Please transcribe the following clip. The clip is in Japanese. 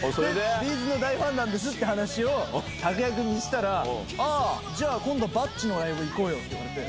Ｂ’ｚの大ファンなんですって話を拓哉君にしたら、あぁ、じゃあ、今度、バッチのライブ行こうよって言われて。